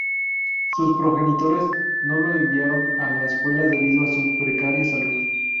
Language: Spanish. Sus progenitores no lo enviaron a la escuela debido a su precaria salud.